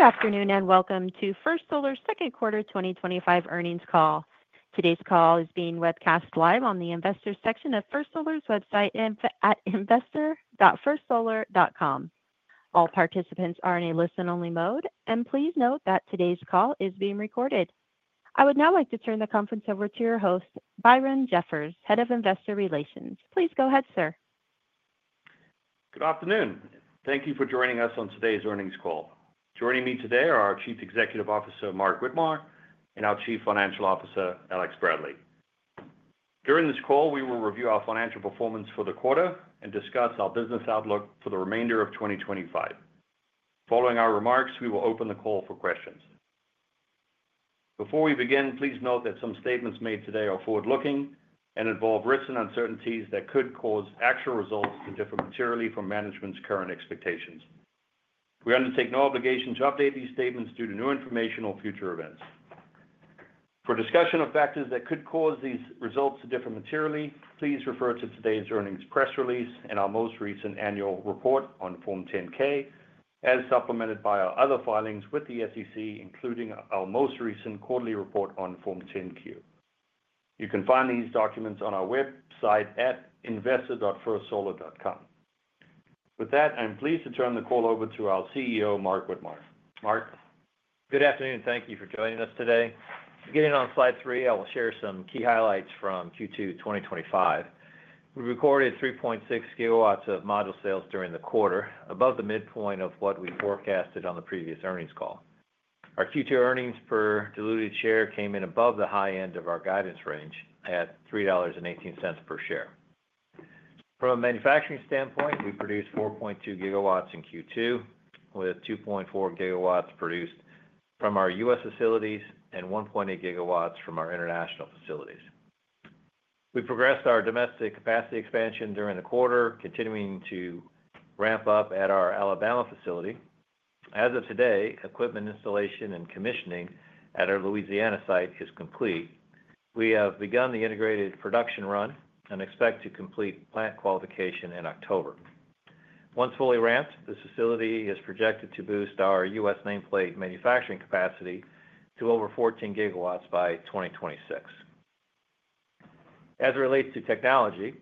Good afternoon and welcome to First Solar second quarter 2025 earnings call. Today's call is being webcast live on the Investors section of First Solar's website at investor.firstsolar.com. All participants are in a listen only mode, and please note that today's call is being recorded. I would now like to turn the conference over to your host, Byron Jeffers, Head of Investor Relations. Please go ahead, sir. Good afternoon. Thank you for joining us on today's earnings call. Joining me today are our Chief Executive Officer Mark Widmar and our Chief Financial Officer Alex Bradley. During this call, we will review our financial performance for the quarter and discuss our business outlook for the remainder of 2025. Following our remarks, we will open the call for questions. Before we begin, please note that some statements made today are forward looking and involve risks and uncertainties that could cause actual results to differ materially from management's current expectations. We undertake no obligation to update these statements due to new information or future events. For a discussion of factors that could cause these results to differ materially, please refer to today's earnings press release and our most recent annual report on Form 10-K, as supplemented by our other filings with the SEC, including our most recent. Quarterly report on Form 10-Q. You can find these documents on our website at investor.firstsolar.com. With that, I'm pleased to turn the call over to our CEO Mark Widmar. Mark. Good afternoon. Thank you for joining us today. Beginning on slide three, I will share some key highlights from Q2 2025. We recorded 3.6 GW of module sales during the quarter, above the midpoint of what we forecasted on the previous earnings call. Our Q2 earnings per diluted share came in above the high end of our guidance range at $3.18 per share. From a manufacturing standpoint, we produced 4.2 GW in Q2, with 2.4 GW produced from our U.S. facilities and 1.8 GW from our international facilities. We progressed our domestic capacity expansion during the quarter, continuing to ramp up at our Alabama facility. As of today, equipment installation and commissioning at our Louisiana site is complete. We have begun the integrated production run and expect to complete plant qualification in October. Once fully ramped, this facility is projected to boost our U.S. nameplate manufacturing capacity to over 14 GW by 2026. As it relates to technology,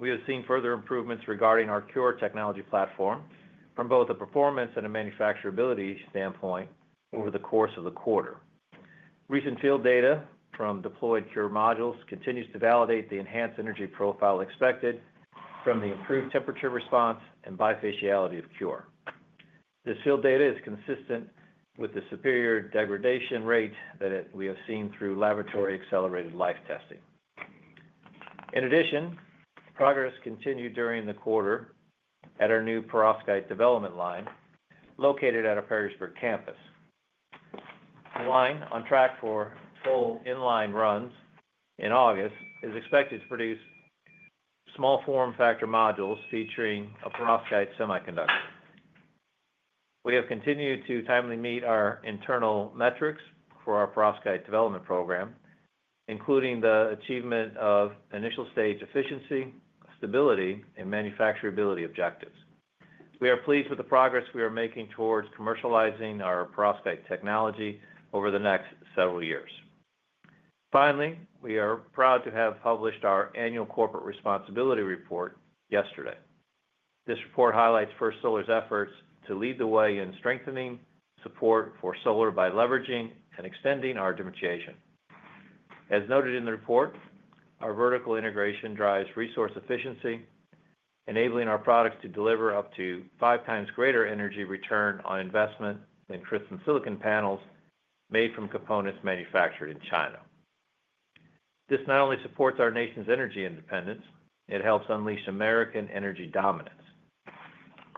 we have seen further improvements regarding our CuRe technology platform from both a performance and a manufacturability standpoint over the course of the quarter. Recent field data from deployed CuRe modules continues to validate the enhanced energy profile expected from the improved temperature response and bifaciality of CuRe. This field data is consistent with the superior degradation rate that we have seen through laboratory accelerated life testing. In addition, progress continued during the quarter at our new perovskite development line located at our Pearisburg campus. Line on track for full inline runs in August, is expected to produce small form factor modules featuring a perovskite semiconductor. We have continued to timely meet our internal metrics for our perovskite development program, including the achievement of initial stage efficiency, stability, and manufacturability objectives. We are pleased with the progress we are making towards commercializing our perovskite technology over the next several years. Finally, we are proud to have published our annual Corporate Responsibility Report yesterday. This report highlights First Solar's efforts to lead the way in strengthening support for solar by leveraging and extending our differentiation. As noted in the report, our vertical integration drives resource efficiency, enabling our products to deliver up to five times greater energy return on investment than crystalline silicon panels made from components manufactured in China. This not only supports our nation's energy independence, it helps unleash American energy dominance.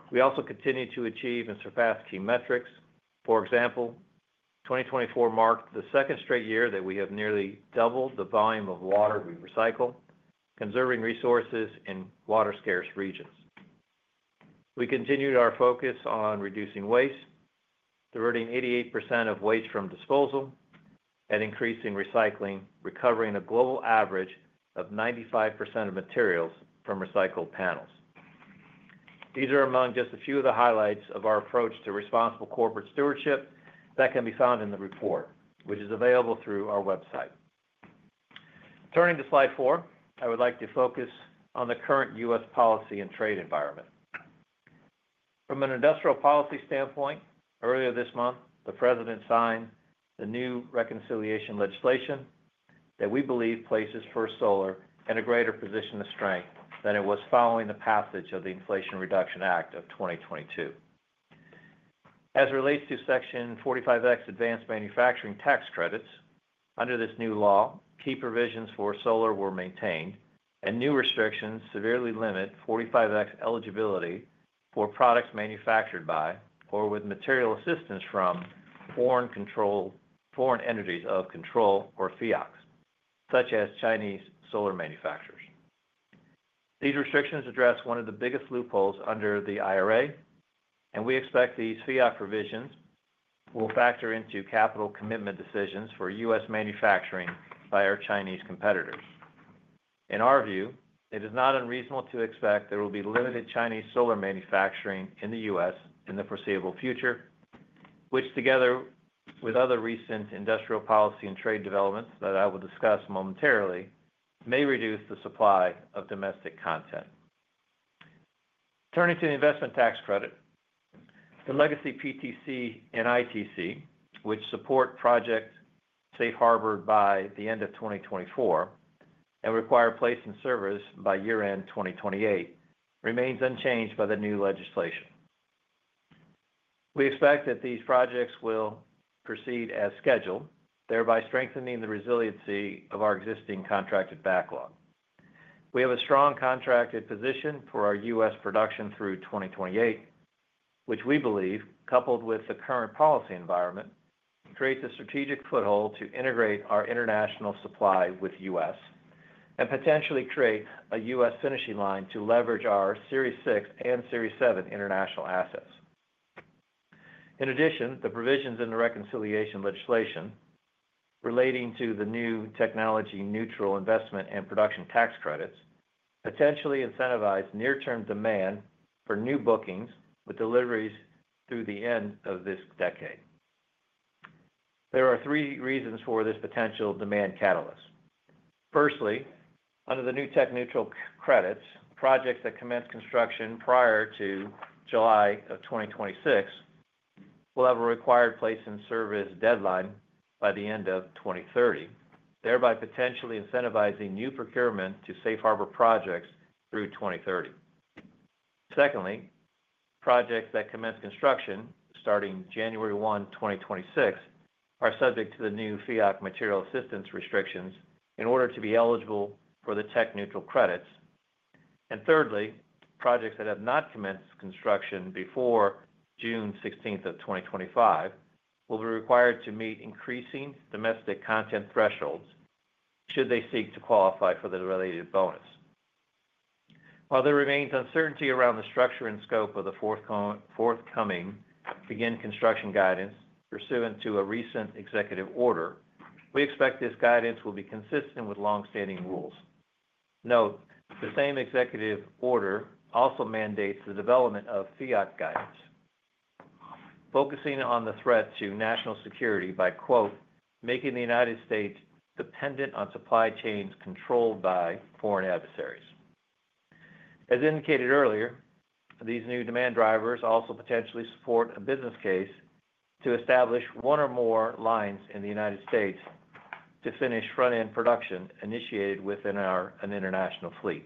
We also continue to achieve and surpass key metrics. For example, 2024 marked the second straight year that we have nearly doubled the volume of water we recycle, conserving resources in water-scarce regions. We continued our focus on reducing waste, diverting 88% of waste from disposal and increasing recycling, recovering a global average of 95% of materials from recycled panels. These are among just a few of the highlights of our approach to responsible corporate stewardship that can be found in the report, which is available through our website. Turning to slide four, I would like to focus on the current U.S. policy and trade environment from an industrial policy standpoint. Earlier this month, the President signed the new reconciliation legislation that we believe places First Solar in a greater position of strength than it was following the passage of the Inflation Reduction Act of 2022 as relates to Section 45X advanced manufacturing tax credits. Under this new law, key provisions for solar were maintained and new restrictions severely limit 45X eligibility for products manufactured by or with material assistance from foreign control, foreign entities of control, or entities of concern FEOC such as Chinese solar manufacturers. These restrictions address one of the biggest loopholes under the IRA and we expect these FEOC provisions will factor into capital commitment decisions for U.S. manufacturing by our Chinese competitors. In our view, it is not unreasonable to expect there will be limited Chinese solar manufacturing in the U.S. in the foreseeable future, which, together with other recent industrial policy and trade developments that I will discuss momentarily, may reduce the supply of domestic content. Turning to the Investment Tax Credit, the legacy PTC and ITC which support project safe harbor by the end of 2024 and require placed in service by year end 2028 remains unchanged by the new legislation. We expect that these projects will proceed as scheduled, thereby strengthening the resiliency of our existing contracted backlog. We have a strong contracted position for our U.S. Production through 2028, which we believe, coupled with the current policy environment, creates a strategic foothold to integrate our international supply with U.S. and potentially create a U.S. finishing line to leverage our Series six and Series seven international assets. In addition, the provisions in the Reconciliation legislation relating to the new Technology Neutral investment and Production tax credits potentially incentivize near term demand for new bookings with deliveries through the end of this decade. There are three reasons for this potential demand catalyst. Firstly, under the new Tech Neutral Credits, projects that commence construction prior to July of 2026 will have a required place in service deadline by the end of 2030, thereby potentially incentivizing new procurement to safe harbor projects through 2030. Secondly, procurement projects that commence construction starting January 1, 2026 are subject to the new FEOC material assistance restrictions in order to be eligible for the Tech Neutral credits. Thirdly, projects that have not commenced construction before June 16th, 2025 will be required to meet increasing domestic content thresholds should they seek to qualify for the related bonus. While there remains uncertainty around the structure and scope of the forthcoming begin construction guidance pursuant to a recent Executive Order, we expect this guidance will be consistent with long standing rules. Note the same Executive Order also mandates the development of FEOC guidance focusing on the threat to national security by "making the United States dependent on supply chains controlled by foreign adversaries." As indicated earlier, these new demand drivers also potentially support a business case to establish one or more lines in the United States to finish front end production initiated within our international fleet.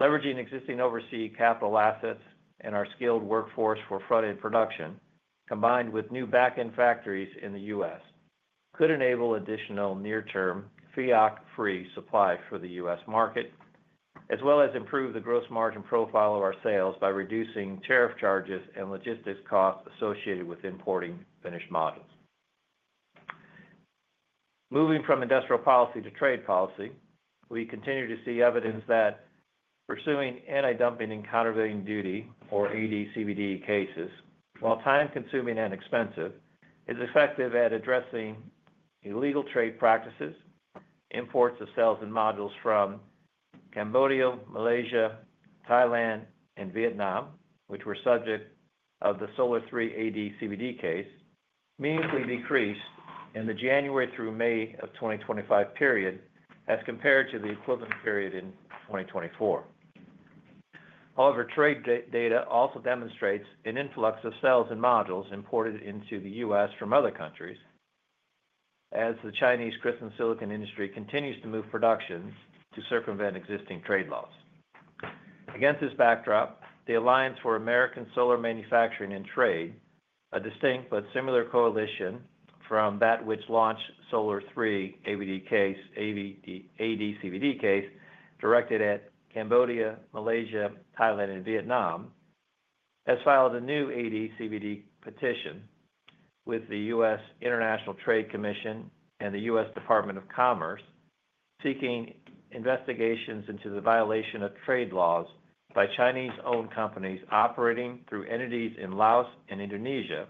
Leveraging existing overseas capital assets and our skilled workforce for front end production, combined with new backend factories in the U.S., could enable additional near term FEOC free supply for the U.S. market as well as improve the gross margin profile of our sales by reducing tariff charges and logistics costs associated with importing finished modules. Moving from industrial policy to trade policy, we continue to see evidence that pursuing anti-dumping and countervailing duty or AD/CVD cases, while time consuming and expensive, is effective at addressing illegal trade practices. Imports of cells and modules from Cambodia, Malaysia, Thailand, and Vietnam, which were subject of the Solar three AD/CVD case, meaningfully decreased in the January through May of 2025 period as compared to the equivalent period in 2024. However, trade data also demonstrates an influx of cells and modules imported into the U.S. from other countries as the Chinese crystalline silicon industry continues to move production to circumvent existing trade laws. Against this backdrop, the Alliance for American Solar Manufacturing and Trade, a distinct but similar coalition from that which launched the Solar three AD/CVD case directed at Cambodia, Malaysia, Thailand, and Vietnam, has filed a new AD/CVD petition with the U.S. International Trade Commission and the U.S. Department of Commerce seeking investigations into the violation of trade laws by Chinese-owned companies operating through entities in Laos and Indonesia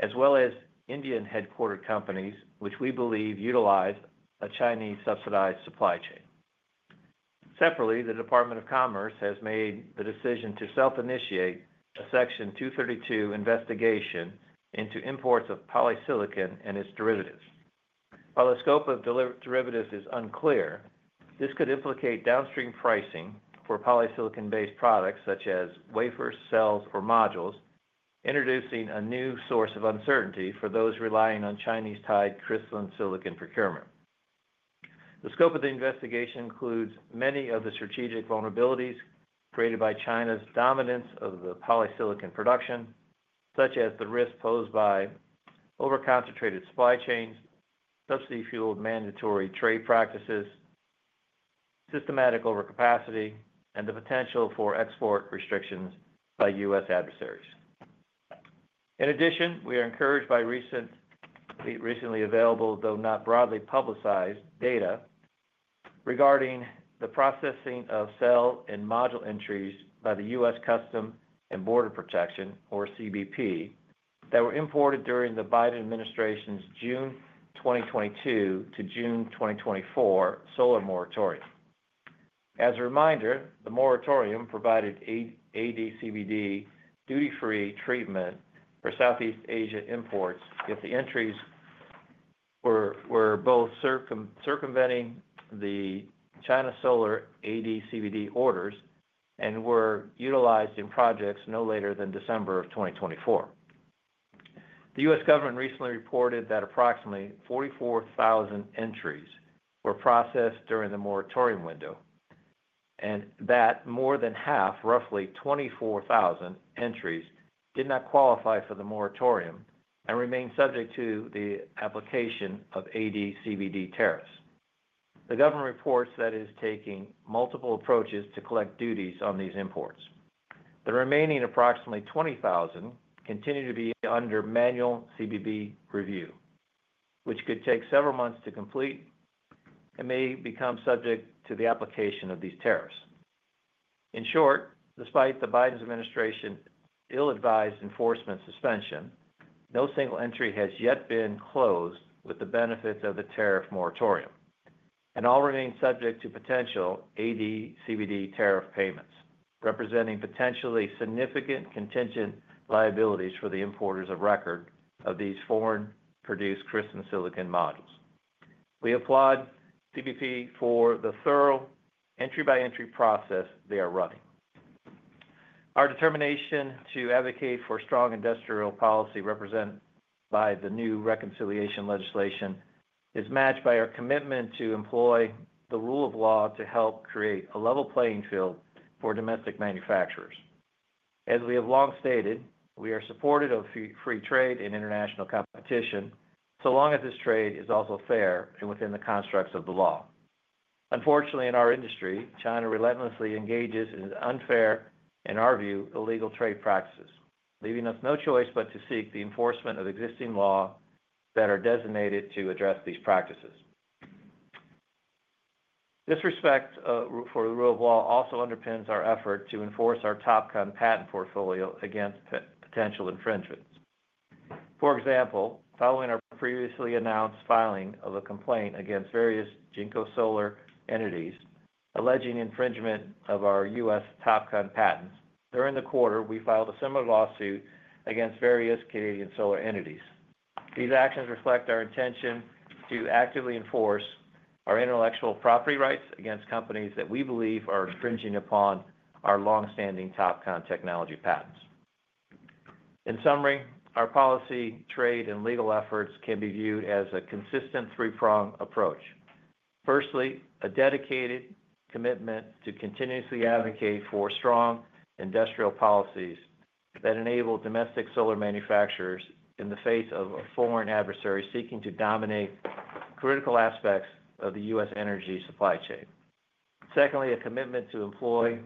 as well as Indian-headquartered companies which we believe utilize a Chinese-subsidized supply chain. Separately, the Department of Commerce has made the decision to self-initiate a Section 232 investigation into imports of polysilicon and its derivatives. While the scope of derivatives is unclear, this could implicate downstream pricing for polysilicon-based products such as wafers, cells, or modules, introducing a new source of uncertainty for those relying on Chinese-tied crystalline silicon procurement. The scope of the investigation includes many of the strategic vulnerabilities created by China's dominance of the polysilicon production, such as the risk posed by over-concentrated supply chains, subsidy-fueled mandatory trade practices, systematic overcapacity, and the potential for export restrictions by U.S. adversaries. In addition, we are encouraged by recently available, though not broadly publicized, data regarding the processing of cell and module entries by the U.S. Customs and Border Protection, or CBP, that were imported during the Biden administration's June 2022 to June 2024 solar moratorium. As a reminder, the moratorium provided AD/CVD duty-free treatment for Southeast Asia imports if the entries were both circumventing the China Solar AD/CVD orders and were utilized in projects no later than December of 2024. The U.S. government recently reported that approximately 44,000 entries were processed during the moratorium window and that more than half, roughly 24,000 entries, did not qualify for the moratorium and remain subject to the application of AD/CVD tariffs. The government reports that it is taking multiple approaches to collect duties on these imports. The remaining approximately 20,000 continue to be under manual CBP requirements review, which could take several months to complete and may become subject to the application of these tariffs. In short, despite the Biden administration's ill-advised enforcement suspension, no single entry has yet been closed with the benefits of the tariff moratorium and all remain subject to potential AD/CVD tariff payments, representing potentially significant contingent liabilities for the importers of record of these foreign-produced crystalline silicon modules. We applaud CBP for the thorough entry-by-entry process they are running. Our determination to advocate for strong industrial policy represented by the new reconciliation legislation is matched by our commitment to employ the rule of law to help create a level playing field for domestic manufacturers. As we have long stated, we are supportive of free trade and international competition so long as this trade is also fair and within the constructs of the law. Unfortunately, in our industry, China relentlessly engages in unfair, in our view, illegal trade practices, leaving us no choice but to seek the enforcement of existing laws that are designed to address these practices. This respect for the rule of law also underpins our effort to enforce our TOPCon patent portfolio against potential infringements. For example, following our previously announced filing of a complaint against various Jinko Solar entities alleging infringement of our U.S. TOPCon patents, during the quarter, we filed a similar lawsuit against various Canadian Solar entities. These actions reflect our intention to actively enforce our intellectual property rights against companies that we believe are infringing upon our long-standing TOPCon technology patents. In summary, our policy, trade, and legal efforts can be viewed as a consistent three-prong approach. Firstly, a dedicated commitment to continuously advocate for strong industrial policies that enable domestic solar manufacturers in the face of a foreign adversary seeking to dominate critical aspects of the U.S. energy supply chain. Secondly, a commitment to employ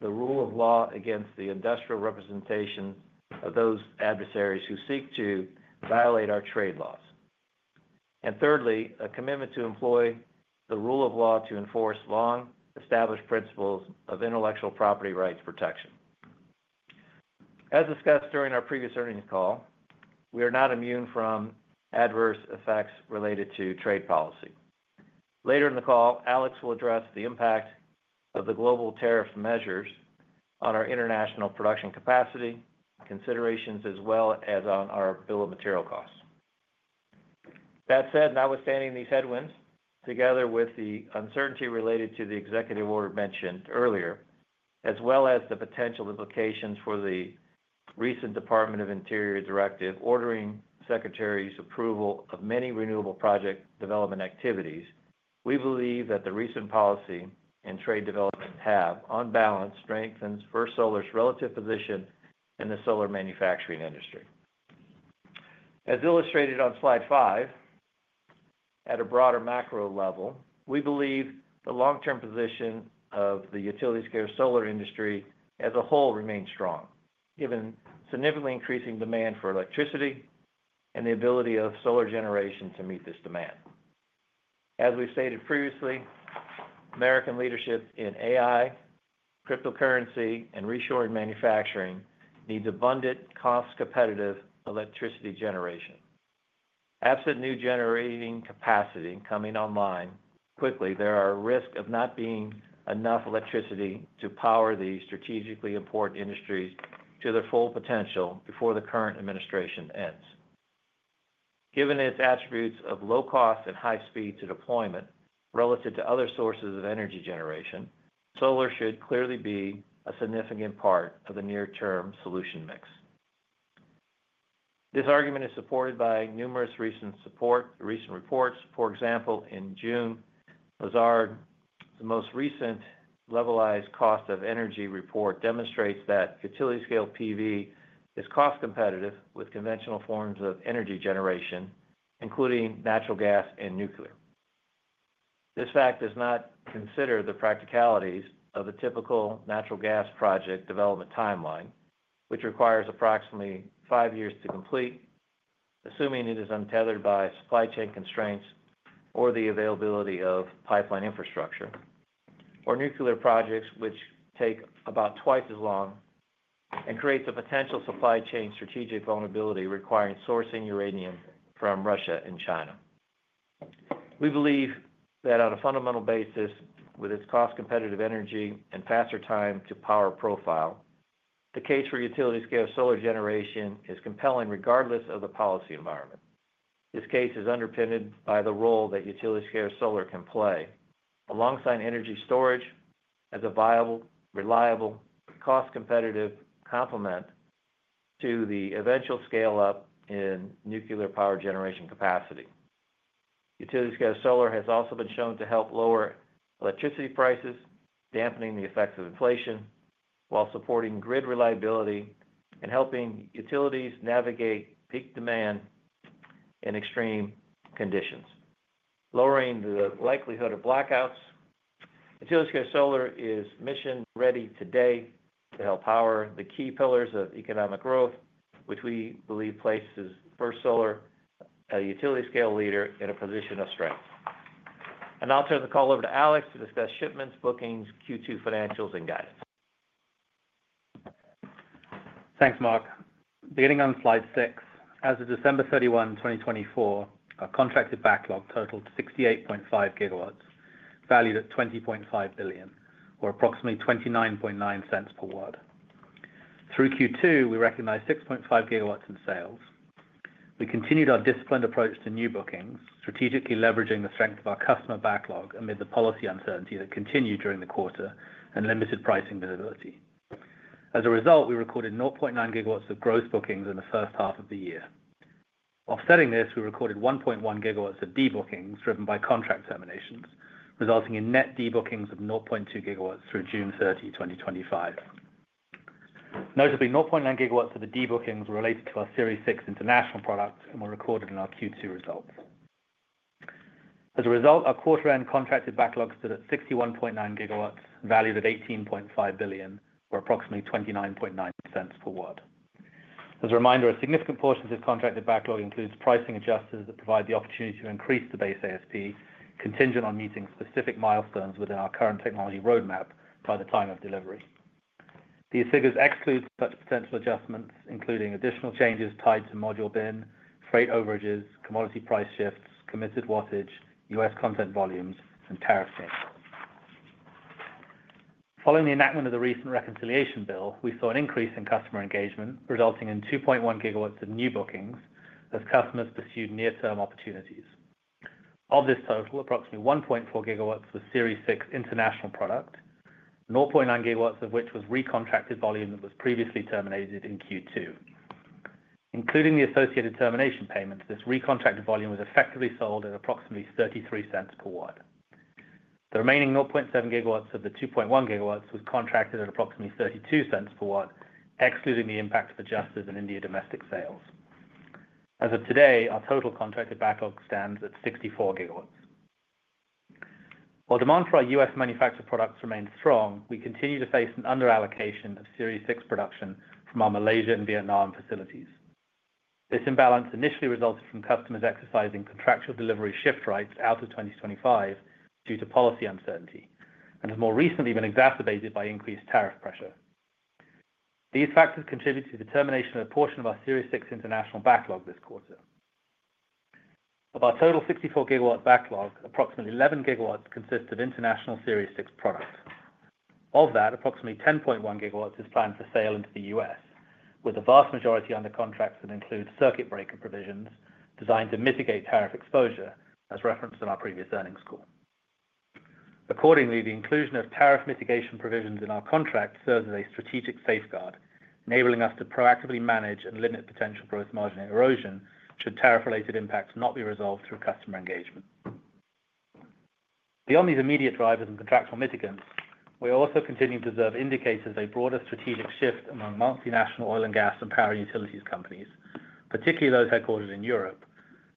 the rule of law against the industrial representation of those adversaries who seek to violate our trade laws, and thirdly, a commitment to employ the rule of law to enforce long-established principles of intellectual property rights protection. As discussed during our previous earnings call, we are not immune from adverse effects related to trade policy. Later in the call, Alex will address the impact of the global tariff measures on our international production capacity considerations as well as on our bill of material costs. That said, notwithstanding these headwinds, together with the uncertainty related to the Executive Order mentioned earlier, as well as the potential implications for the recent Department of Interior directive ordering Secretary's approval of many renewable project development activities, we believe that the recent policy and trade development have on balance strengthened First Solar's relative position in the solar manufacturing industry as illustrated on slide five. At a broader macro level, we believe the long-term position of the utility-scale solar industry as a whole remains strong given significantly increasing demand for electricity and the ability of solar generation to meet this demand. As we stated previously, American leadership in AI, cryptocurrency, and reshoring manufacturing needs abundant, cost-competitive electricity generation. Absent new generating capacity coming online quickly, there are risks of not being enough electricity to power these strategically important industries to their full potential before the current administration ends. Given its attributes of low cost and high speed to deployment relative to other sources of energy generation, solar should clearly be a significant part of the near-term solution mix. This argument is supported by numerous recent reports. For example, in June, Lazard, the most recent Levelized Cost of Energy report demonstrates that utility-scale PV is cost competitive with conventional forms of energy generation including natural gas and nuclear. This fact does not consider the practicalities of a typical natural gas project development timeline, which requires approximately five years to complete, assuming it is untethered by supply chain constraints or the availability of pipeline infrastructure, or nuclear projects, which take about twice as long and create a potential supply chain strategic vulnerability requiring sourcing uranium from Russia and China. We believe that on a fundamental basis, with its cost-competitive energy and faster time to power profile, the case for utility-scale solar generation is compelling regardless of the policy environment. This case is underpinned by the role that utility-scale solar can play alongside energy storage as a viable, reliable, cost-competitive complement to the eventual scale-up in nuclear power generation capacity. Utility-scale solar has also been shown to help lower electricity prices, dampening the effects of inflation while supporting grid reliability and helping utilities navigate peak demand in extreme conditions, lowering the likelihood of blackouts. First Solar is mission ready today to help power the key pillars of economic growth, which we believe places First Solar, a utility-scale leader, in a position of strength, and I'll turn the call over to Alex to discuss shipments, bookings, Q2 financials, and guidance. Thanks Mark. Beginning on slide six, as of December 31, 2024, our contracted backlog totaled 68.5 GW valued at $20.5 billion, or approximately $0.299 per watt. Through Q2 we recognized 6.5 GW in sales. We continued our disciplined approach to new bookings, strategically leveraging the strength of our customer backlog amid the policy uncertainty that continued during the quarter and limited pricing visibility. As a result, we recorded 0.9 GW of gross bookings in the first half of the year. Offsetting this, we recorded 1.1 GW of debookings driven by contract terminations, resulting in net debookings of 0.2 GW through June 30, 2025. Notably, 0.9 GW of the debookings were related to our Series six international products and were recorded in our Q2 results. As a result, our quarter-end contracted backlog stood at 61.9 GW valued at $18.5 billion or approximately $0.299 per watt. As a reminder, a significant portion of this contracted backlog includes pricing adjusters that provide the opportunity to increase the base ASP contingent on meeting specific milestones within our current technology roadmap by the time of delivery. These figures exclude such potential adjustments including additional changes tied to module bin freight overages, commodity price shifts, committed wattage, U.S. Content volumes, and tariff changes. Following the enactment of the recent reconciliation bill, we saw an increase in customer engagement resulting in 2.1 GW of new bookings as customers pursued near-term opportunities. Of this total, approximately 1.4 GW was Series six international product, 0.9 GW of which was recontracted volume that was previously terminated in Q2 including the associated termination payments. This recontracted volume was effectively sold at approximately $0.33 per watt. The remaining 0.7 GW of the 2.1 GW was contracted at approximately $0.32 per watt excluding the impact of adjusted and India domestic sales. As of today, our total contracted backlog stands at 64 GW. While demand for our U.S. manufactured products remains strong, we continue to face an under allocation of Series six production from our Malaysia and Vietnam facilities. This imbalance initially resulted from customers exercising contractual delivery shift rights out of 2025 due to policy uncertainty and has more recently been exacerbated by increased tariff pressure. These factors contribute to the termination of a portion of our Series six international backlog this quarter. Of our total 64 GW backlog, approximately 11 GW consists of international Series six products. Of that, approximately 10.1 GW is planned for sale into the U.S., with the vast majority under contracts that include circuit breaker provisions designed to mitigate tariff exposure as referenced in our previous earnings call. Accordingly, the inclusion of tariff mitigation provisions in our contract serves as a strategic safeguard, enabling us to proactively manage and limit potential gross margin erosion should tariff-related impacts not be resolved through customer engagement. Beyond these immediate drivers and contractual mitigants, we also continue to observe indicators of a broader strategic shift among multinational oil and gas and power utilities companies, particularly those headquartered in Europe,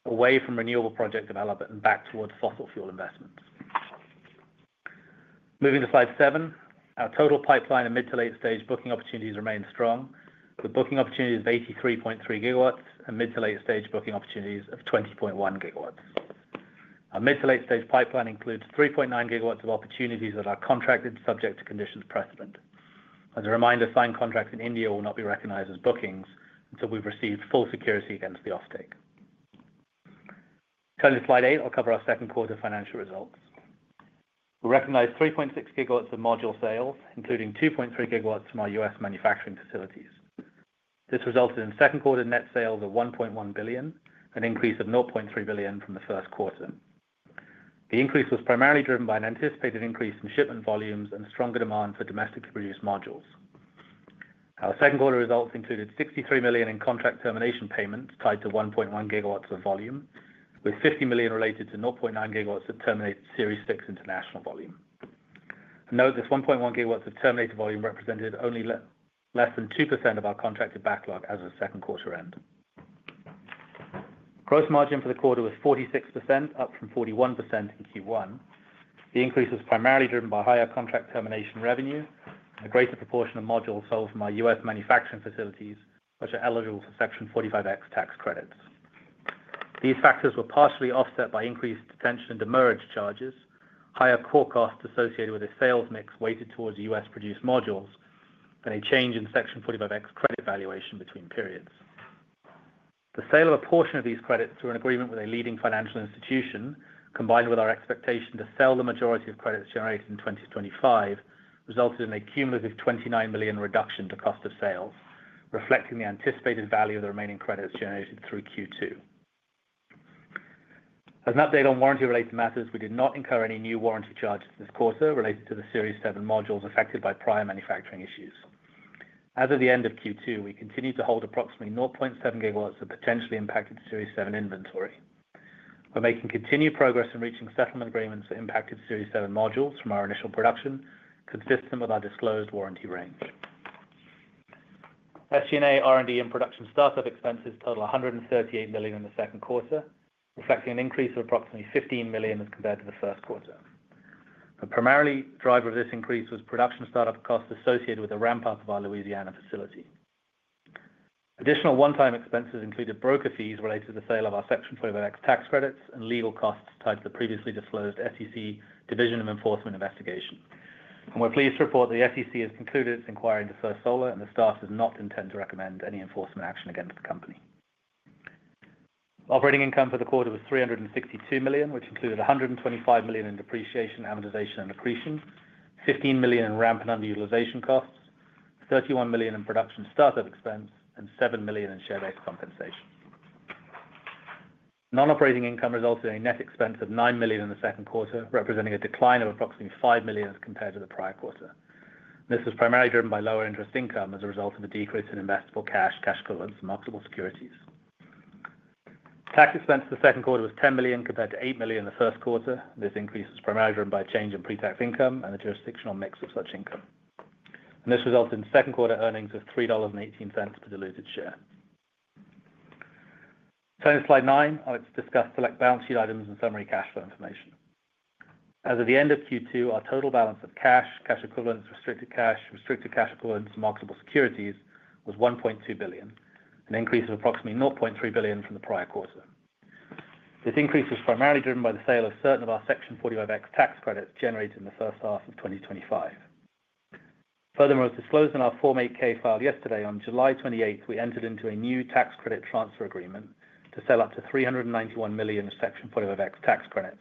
away from renewable project development and back towards fossil fuel investments. Moving to slide seven, our total pipeline and mid to late stage booking opportunities remain strong. The booking opportunity is 83.3 GW and mid to late stage booking opportunities of 20.1 GW. Our mid to late stage pipeline includes 3.9 GW of opportunities that are contracted subject to conditions precedent. As a reminder, signed contracts in India will not be recognized as bookings until we've received full security against the offtake. Turning to slide eight, I'll cover our second quarter financial results. We recognized 3.6 GW of module sales, including 2.3 GW from our U.S. manufacturing facilities. This resulted in second quarter net sales of $1.1 billion, an increase of $0.3 billion from the first quarter. The increase was primarily driven by an anticipated increase in shipment volumes and stronger demand for domestically produced modules. Our second quarter results included $63 million in contract termination payments tied to 1.1 GW of volume, with $50 million related to 0.9 GW of terminated Series six international volume. Note this 1.1 GW of terminated volume represented less than 2% of our contracted backlog as of second quarter end. Gross margin for the quarter was 46%, up from 41% in Q1. The increase was primarily driven by higher contract termination revenue and a greater proportion of modules sold from our U.S. manufacturing facilities, which are eligible for Section 45X tax credits. These factors were partially offset by increased detention and demurrage charges, higher core costs associated with a sales mix weighted towards U.S. produced modules, and a change in Section 45X credit valuation between periods. The sale of a portion of these credits through an agreement with a leading financial institution, combined with our expectation to sell the majority of credits generated in 2025, resulted in a cumulative $29 million reduction to cost of sales, reflecting the anticipated value of the remaining credits generated through Q2. As an update on warranty related matters, we did not incur any new warranty charges this quarter related to the Series seven modules affected by prior manufacturing issues. As of the end of Q2, we continue to hold approximately 0.7 GW of potentially impacted Series seven inventory. We're making continued progress in reaching settlement agreements for impacted Series seven modules from our initial production, consistent with our disclosed warranty range. SG&A, R&D, and production startup expenses totaled $138 million in the second quarter, reflecting an increase of approximately $15 million as compared to the first quarter. A primary driver of this increase was production startup costs associated with the ramp up of our Louisiana facility. Additional one-time expenses included broker fees related to the sale of our Section 45X tax credits and legal costs tied to the previously disclosed SEC Division of Enforcement investigation, and we're pleased to report the SEC has concluded its inquiry into First Solar and the staff does not intend to recommend any enforcement action against the company. Operating income for the quarter was $362 million, which included $125 million in depreciation, amortization, and accretion, $15 million in ramp and underutilization costs, $31 million in production startup expense, and $7 million in share-based compensation. Non-operating income resulted in a net expense of $9 million in the second quarter, representing a decline of approximately $5 million as compared to the prior quarter. This was primarily driven by lower interest income as a result of a decrease in investable cash, cash equivalents, and marketable securities. Tax expense in the second quarter was $10 million compared to $8 million in the first quarter. This increase was primarily driven by a change in pre-tax income and the jurisdictional mix of such income, and this resulted in second quarter earnings of $3.18 per diluted share. Turning to slide nine, I'll discuss select balance sheet items and summary cash flow information. As of the end of Q2, our total balance of cash, cash equivalents, restricted cash, restricted cash equivalents, and marketable securities was $1.2 billion, an increase of approximately $0.3 billion from the prior quarter. This increase was primarily driven by the sale of certain of our Section 45X tax credits generated in the first half of 2025. Furthermore, as disclosed in our Form 8-K filed yesterday, on July 28th we entered into a new tax credit transfer agreement to sell up to $391 million Section 45X tax credits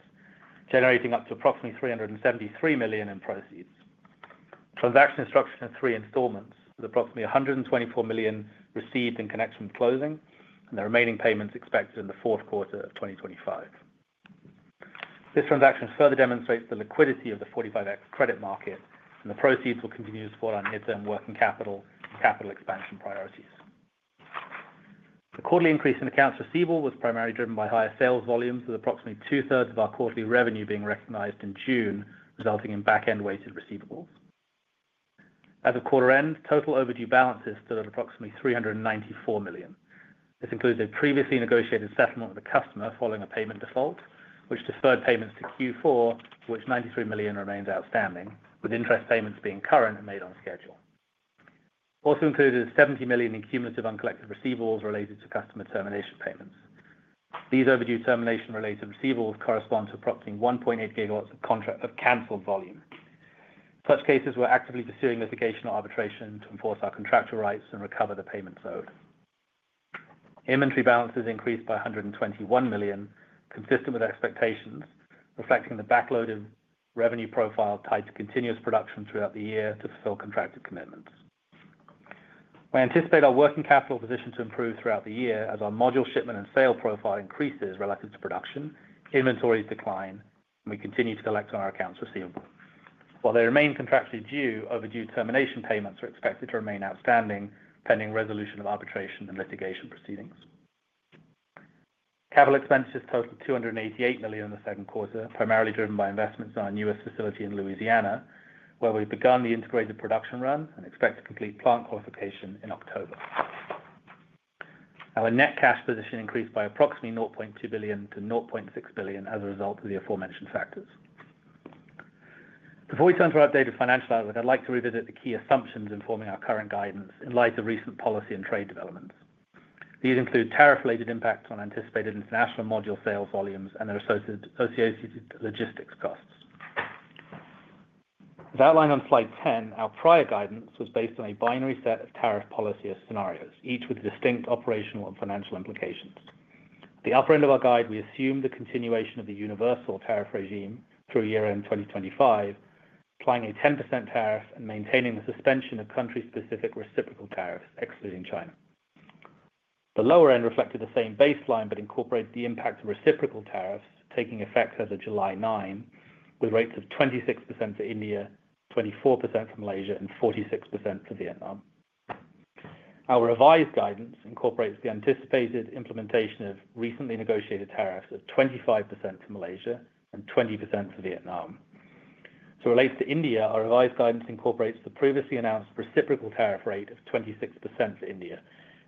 generating up to approximately $373 million in proceeds, transaction instruction in three installments with approximately $124 million received in connection with closing and the remaining payments expected in the fourth quarter of 2025. This transaction further demonstrates the liquidity of the 45X credit market, and the proceeds will continue to support our near-term working capital and capital expansion priorities. The quarterly increase in accounts receivable was primarily driven by higher sales volumes, with approximately 2/3 of our quarterly revenue being recognized in June, resulting in back-end weighted receivables. As of quarter end, total overdue balances stood at approximately $394 million. This includes a previously negotiated settlement with a customer following a payment default, which deferred payments to Q4, of which $93 million remains outstanding with interest payments being current and made on schedule. Also included is $70 million in cumulative uncollected receivables related to customer termination payments. These overdue termination-related receivables correspond to approximately 1.8 GW of contract of cancelled volume. In such cases, we are actively pursuing litigation or arbitration to enforce our contractual rights and recover the payments owed. Inventory balances increased by $121 million, consistent with expectations, reflecting the backlog of revenue profile tied to continuous production throughout the year to fulfill contracted commitments. We anticipate our working capital position to improve throughout the year as our module shipment and sale profile increases relative to production, inventories decline, and we continue to collect on our accounts receivable while they remain contractually due. Overdue termination payments are expected to remain outstanding pending resolution of arbitration and litigation proceedings. Capital expenditures totaled $288 million in the second quarter, primarily driven by investments in our newest facility in Louisiana where we've begun the integrated production run and expect to complete plant qualification in October. Our net cash position increased by approximately $0.2 billion-$0.6 billion as a result of the aforementioned factors. Before we turn to our updated financial outlook, I'd like to revisit the key assumptions informing our current guidance in light of recent policy and trade developments. These include tariff-related impacts on anticipated international module sales volumes and their associated logistics costs as outlined on slide 10. Our prior guidance was based on a binary set of tariff policy scenarios, each with distinct operational and financial implications. The upper end of our guide assumed the continuation of the universal tariff regime through year-end 2025, applying a 10% tariff and maintaining the suspension of country-specific reciprocal tariffs excluding China. The lower end reflected the same baseline but incorporated the impact of reciprocal tariffs taking effect as of July 9 with rates of 26% for India, 24% for Malaysia, and 46% for Vietnam. Our revised guidance incorporates the anticipated implementation of recently negotiated tariffs of 25% to market Malaysia and 20% for Vietnam, so relates to India. Our revised guidance incorporates the previously announced reciprocal tariff rate of 26% for India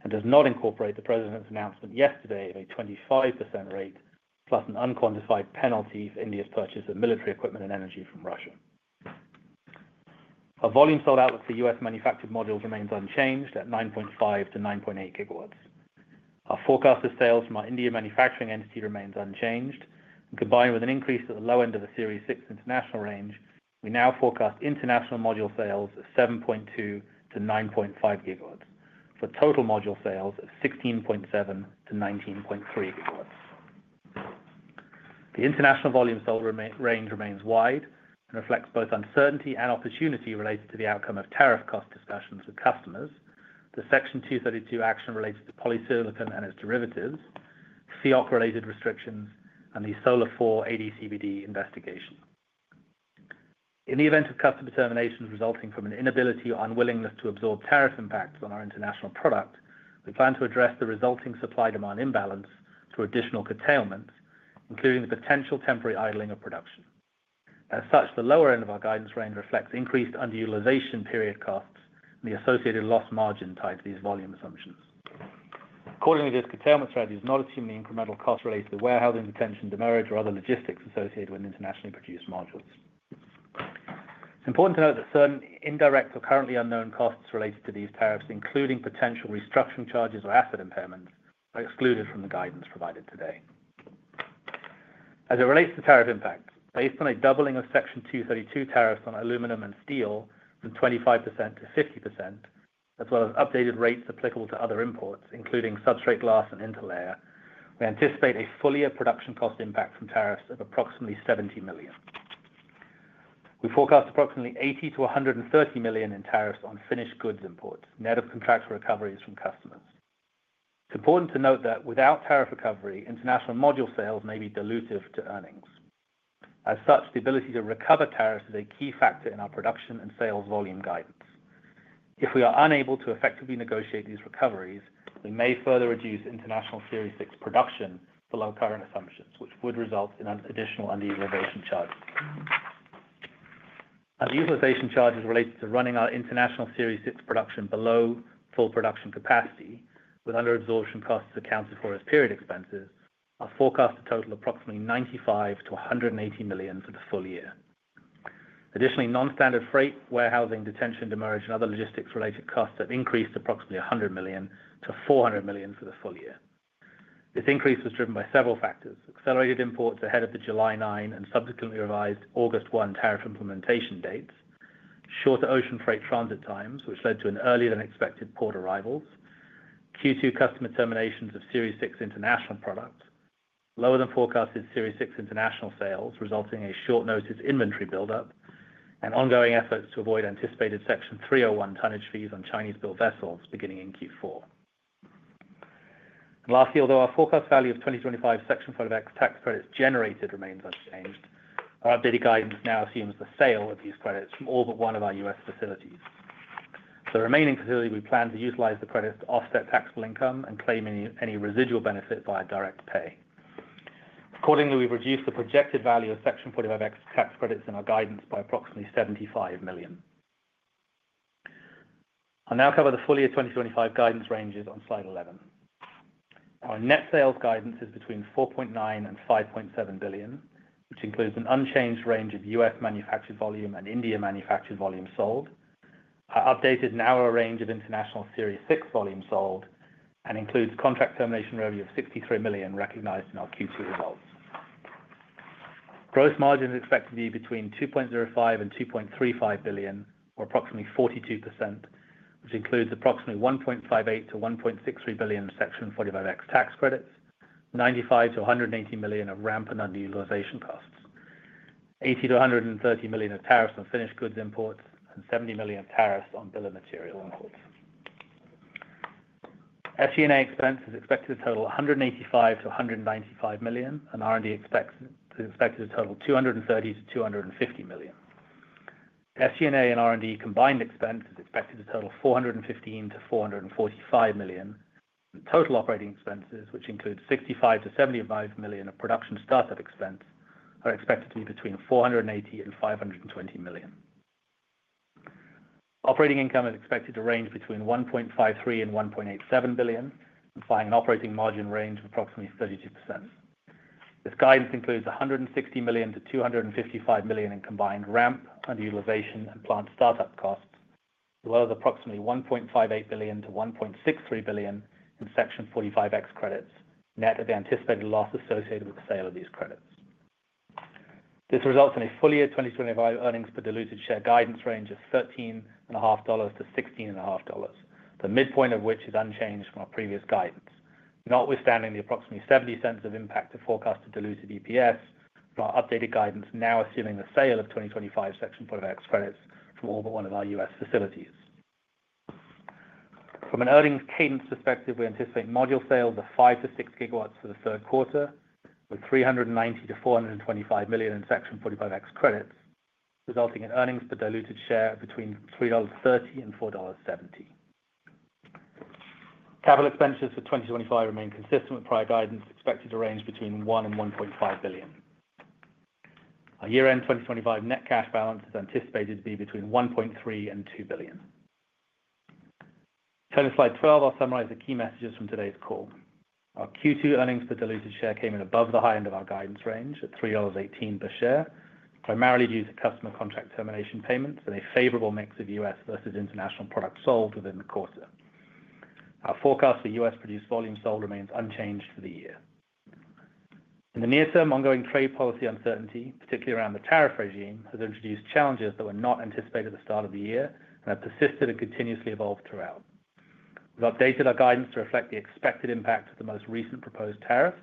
and does not incorporate the President's announcement yesterday of a 25% rate plus an unquantified penalty for India's purchase of military equipment and energy from Russia. A volume sold outlook for U.S. manufactured modules remains unchanged at 9. GW-9.8 GW. Our forecast of sales from our India manufacturing entity remains unchanged combined with an increase at the low end of the Series six international range. We now forecast international module sales of 7.2GW-9.5 GW for total module sales of 16.7 GW-19.3 GW. The international volume sold range remains wide and reflects both uncertainty and opportunity related to the outcome of tariff cost discussions with customers, the Section 232 action related to polysilicon and its derivatives, SIOP-related restrictions, and the Solar for AD/CVD investigation. In the event of customer terminations resulting from an inability or unwillingness to absorb tariff impacts on our international product, we plan to address the resulting supply demand imbalance through additional curtailments, including the potential temporary idling of production. As such, the lower end of our guidance range reflects increased underutilization period costs and the associated loss margin tied to these volume assumptions. Accordingly, this curtailment strategy does not assume the incremental cost related to warehousing, detention, demurrage, or other logistics associated with internationally produced modules. It's important to note that certain indirect or currently unknown costs related to these tariffs, including potential restructuring charges or asset impairments, are excluded from the guidance provided today as it relates to tariff impact. Based on a doubling of Section 232 tariffs on aluminum and steel from 25%-50%, as well as updated rates applicable to other imports including substrate, glass, and interlayer, we anticipate a full year production cost impact from tariffs of approximately $70 million. We forecast approximately $80 million-$130 million in tariffs on finished goods imports, net of contractual recoveries from customers. It's important to note that without tariff recovery, international module sales may be dilutive to earnings. As such, the ability to recover tariffs is a key factor in our production and sales volume guidance. If we are unable to effectively negotiate these recoveries, we may further reduce international Series six production below current assumptions, which would result in additional underutilization charges. Under. Utilization charges related to running our international Series six production below full production capacity with under absorption costs accounted for as period expenses are forecast to total approximately $95 million-$180 million for the full year. Additionally, non-standard freight, warehousing, detention, demurrage, and other logistics-related costs have increased approximately $100 million-$400 million for the full year. This increase was driven by several factors: accelerated imports ahead of the July 9 and subsequently revised August 1 tariff implementation dates, shorter ocean freight transit times which led to earlier than expected port arrivals, Q2 customer terminations of Series six international products, lower than forecasted Series six international sales resulting in a short notice inventory buildup, and ongoing efforts to avoid anticipated Section 301 tonnage fees on Chinese-built vessels beginning in Q4. Lastly, although our forecast value of 2025 Section 45X tax credits generated remains unchanged, our updated guidance now assumes the sale of these credits from all but one of our U.S. facility, the remaining facility. We plan to utilize the credits to offset taxable income and claim any residual benefit via direct pay. Accordingly, we've reduced the projected value of Section 45X tax credits in our guidance by approximately $75 million. I'll now cover the full year 2025 guidance ranges on slide 11. Our net sales guidance is between $4.9 billion and $5.7 billion, which includes an unchanged range of U.S. manufactured volume and India manufactured volumes sold. Our updated narrow range of international Series six volumes sold includes contract termination revenue of $63 million recognized in our Q2 results. Gross margin is expected to be between $2.05 billion and $2.35 billion or approximately 42%, which includes approximately $1.58 billion-$1.63 billion Section 45X tax credits, $95 million-$180 million of ramp underutilization costs, $80 million-$130 million of tariffs on finished goods imports, and $70 million of tariffs on bill of material imports. SG&A expense is expected to total $185 million-$195 million and R&D expected to total $230 million-$250 million. SG&A and R&D combined expense is expected to total $415 million-$445 million. Total operating expenses, which include $65 million-$75 million of production startup expense, are expected to be between $480 million and $520 million. Operating income is expected to range between $1.53 billion and $1.87 billion, implying an operating margin range of approximately 32%. This guidance includes $160 million-$255 million in combined ramp underutilization and plant startup costs, as well as approximately $1.58 billion-$1.63 billion in Section 45X credits net of the anticipated loss associated with the sale of these credits. This results in a full year 2025 earnings per diluted share guidance range of $13.50-$16.50, the midpoint of which is unchanged from our previous guidance. Notwithstanding the approximately $0.70 of impact of forecasted diluted EPS, our updated guidance now assumes the sale of 2025 Section 45X credits from all but one of our U.S. facilities. From. An earnings cadence perspective, we anticipate module sales of 5 GW-6 GW for the third quarter with $390-$425 million in Section 45X credits resulting in earnings per diluted share between $3.30 and $4.70. Capital expenditures for 2025 remain consistent with prior guidance expected to range between $1 and $1.5 billion. Our year-end 2025 net cash balance is anticipated to be between $1.3 and $2 billion. Turning to slide 12, I'll summarize the key messages from today's call. Our Q2 earnings per diluted share came in above the high end of our guidance range at $3.18 per share, primarily due to customer contract termination payments and a favorable mix of U.S. versus international products sold within the quarter. Our forecast for U.S. produced volume sold remains unchanged for the year in the near term. Ongoing trade policy uncertainty, particularly around the tariff regime, has introduced challenges that were not anticipated at the start of the year and have persisted and continuously evolved throughout. We've updated our guidance to reflect the expected impact of the most recent proposed tariffs.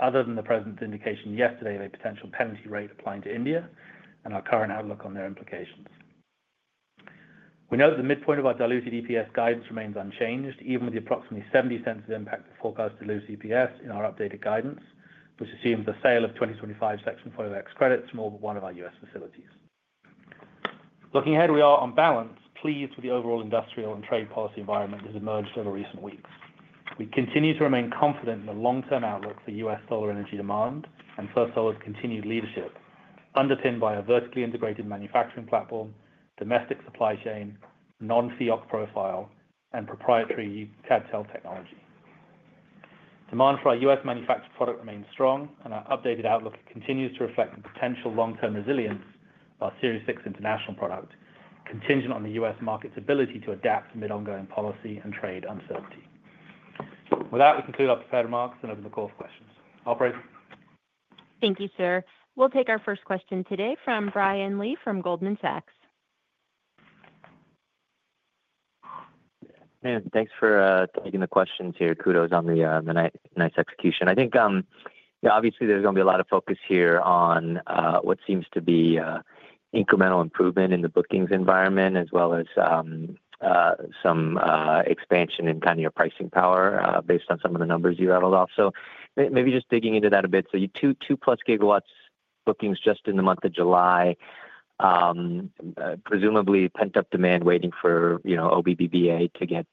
Other than the President's indication yesterday of a potential penalty rate applying to India and our current outlook on their implications, we know the midpoint of our diluted EPS guidance remains unchanged even with the approximately $0.70 of impact of forecast to lose EPS in our updated guidance which assumes the sale of 2025 Section 45X credit to more than one of our U.S. receipts. Looking ahead, we are on balance pleased with the overall industrial and trade policy environment that emerged over recent weeks. We continue to remain confident in the long-term outlook for U.S. solar energy demand and First Solar's continued leadership underpinned by a vertically integrated manufacturing platform, domestic supply chain, non FEOC profile, and proprietary CADTEL technology. Demand for our U.S. manufactured product remains strong and our updated outlook continues to reflect the potential long-term resilience of our Series six international product contingent on the U.S. market's ability to adapt amid ongoing policy and trade uncertainty. With that, we conclude our prepared remarks and open the call for questions. Operator. Thank you, sir. We'll take our first question today from Brian Lee from Goldman Sachs. Thanks for taking the questions here. Kudos on the nice execution. I think obviously there's going to be a lot of focus here on what seems to be incremental improvement in the bookings environment as well as some expansion in kind of your pricing power based on some of the numbers you rattled off. Maybe just digging into that a bit. Two 2+ GW bookings just in the month of July, presumably pent up demand waiting for OBBBA to get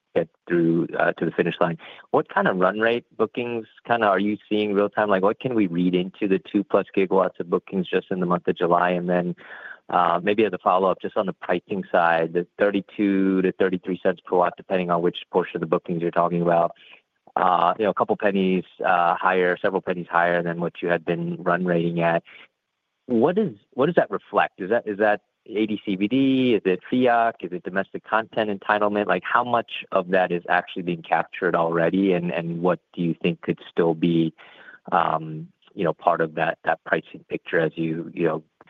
through to the finish line. What kind of run rate bookings are you seeing real time? What can we read into the 2+ GW of bookings just in the month of July? Maybe as a follow up just on the pricing side, the $0.32-$0.33 per watt, depending on which portion of the bookings you're talking about, a couple pennies higher, several pennies higher than what you had been run rating at. What does that reflect? Is that AD/CVD? Is it FEOC? Is it domestic content entitlement? How much of that is actually being cap? What do you think could still be part of that pricing picture as you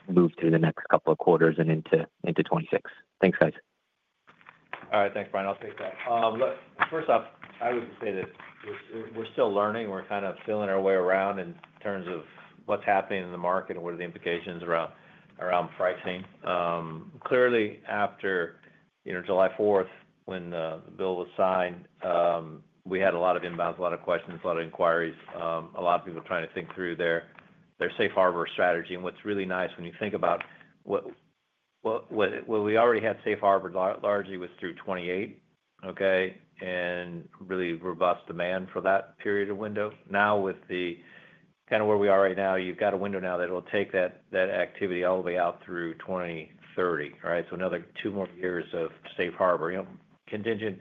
move through the next couple of quarters and into 2026? Thanks, guys. All right, thanks, Brian. I'll take that. First off, I would say that we're still learning. We're kind of feeling our way around in terms of what's happening in the market and what are the implications around pricing. Clearly, after July 4th, when the bill was signed, we had a lot of inbounds, a lot of questions, a lot of inquiries, a lot of people trying to think through their safe harbor strategy. What's really nice when you think about it, we already had safe harbor largely was through 2028, and really robust demand for that period of window. Now with the kind of where we are right now, you've got a window now that will take that activity all the way out through 2030, right. Another two more years of safe harbor, contingent,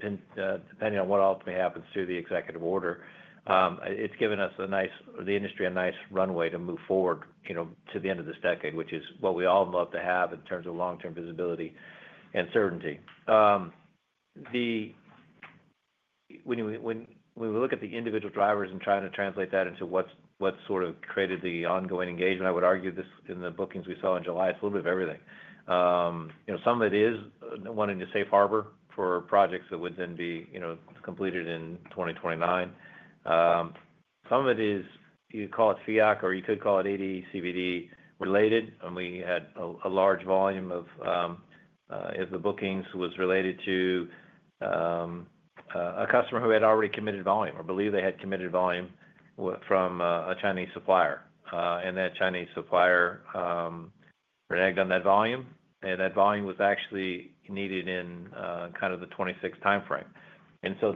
depending on what ultimately happens to the executive order. It's given us, the industry, a nice runway to move forward to the end of this decade, which is what we all love to have in terms of long-term visibility and certainty. When we look at the individual drivers and trying to translate that into what sort of created the ongoing engagement, I would argue this in the bookings we saw in July, it's a little bit of everything. Some of it is wanting to safe harbor for projects that would then be completed in 2029. Some of it is, you call it FEOC or you could call it AD/CVD related. We had a large volume of the bookings was related to. A. customer who had already committed volume or believed they had committed volume from a Chinese supplier, and that Chinese supplier reneged on that volume. That volume was actually needed in kind of the 2026 time frame.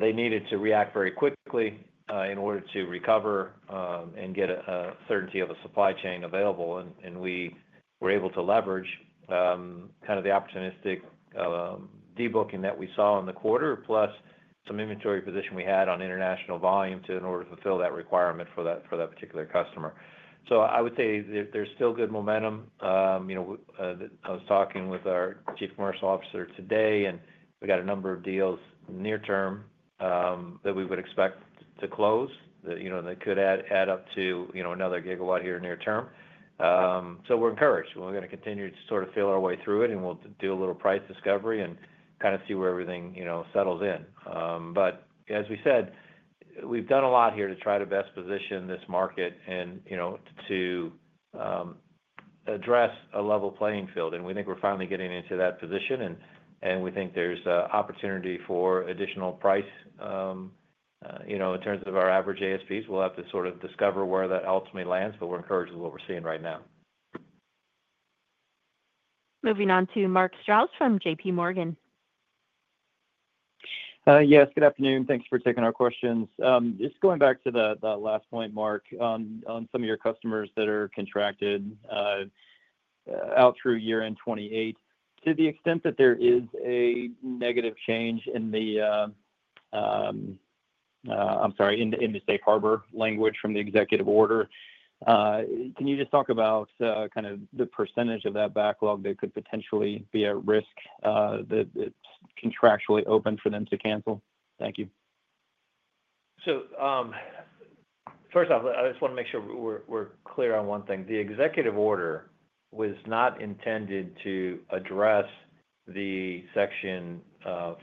They needed to react very quickly in order to recover and get certainty of a supply chain available. We were able to leverage kind of the opportunistic debooking that we saw in the quarter, plus some inventory position we had on international volume in order to fulfill that requirement for that particular customer. I would say there's still good momentum. I was talking with our Chief Commercial Officer today and we got a number of deals near term that we would expect to close that could add up to another GW here near term. We're encouraged, we're going to continue to sort of feel our way through it and we'll do a little price discovery and kind of see where everything settles in. As we said, we've done a lot here to try to best position this market and to address a level playing field. We think we're finally getting into that position and we think there's opportunity for additional price. In terms of our average ASPs, we'll have to sort of discover where that ultimately lands. We're encouraged with what we're seeing right now. Moving on to Mark Strouse from J.P. Morgan. Yes, good afternoon. Thanks for taking our questions. Just going back to the last point, Mark, on some of your customers that are contracted out through year end 2028, to the extent that there is a negative change in the, I'm sorry, in the safe harbor language from the executive order, can you just talk about kind of the percentage of that backlog that could potentially be at risk that contractually open for them to cancel? Thank you. First off, I just want to make sure we're clear on one thing. The executive order was not intended to address the Section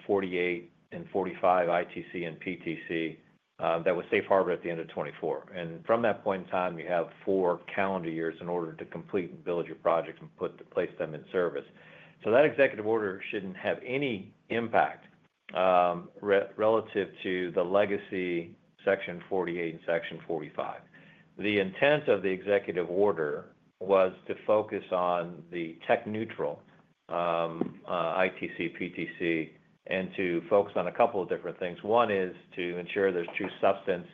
48 and Section 45 ITC and PTC that was safe harbor at the end of 2024. From that point in time, you have four calendar years in order to complete and build your projects and put to place them in service. That executive order should not have any impact relative to the legacy Section 48 and Section 45. The intent of the executive order was to focus on the tech neutral ITC, PTC and to focus on a couple of different things. One is to ensure there's true substance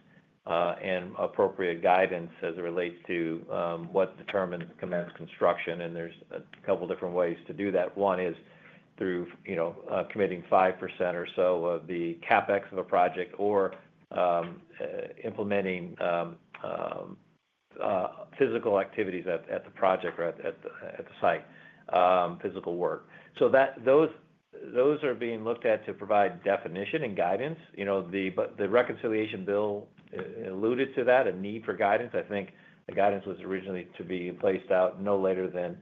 and appropriate guidance as it relates to what determines commence construction. There are a couple different ways to do that. One is through committing 5% or so of the CapEx of a project or implementing physical activities at the project or at the site physical work. Those are being looked at to provide definition and guidance. The reconciliation bill alluded to a need for guidance. I think the guidance was originally to be placed out no later than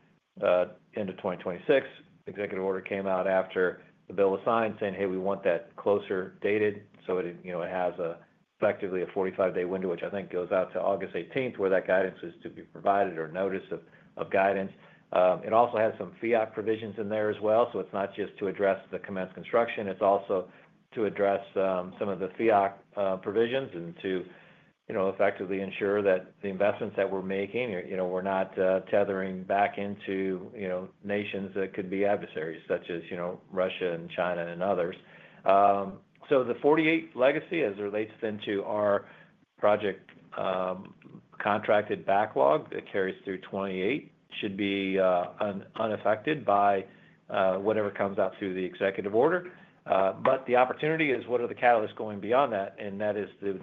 end of 2026. The executive order came out after the bill was signed saying, hey, we want that closer dated. It has effectively a 45-day window, which I think goes out to August 18th where that guidance is to be provided or notice of guidance. It also has some FEOC provisions in there as well. It is not just to address the commence construction, it is also to address some of the FEOC provisions and to effectively ensure that the investments that we're making are not tethering back into nations that could be adversaries, such as Russia and China and others. The Section 48 legacy as it relates then to our project contracted backlog that carries through 2028 should be unaffected by whatever comes out through the executive order. The opportunity is what are the catalysts going beyond that. That is the